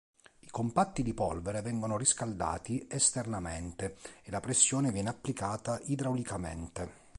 I compatti di polvere vengono riscaldati esternamente e la pressione viene applicata idraulicamente.